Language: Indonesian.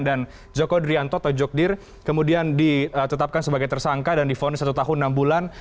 dan joko drianto atau jokdir kemudian ditetapkan sebagai tersangka dan difonis satu tahun enam bulan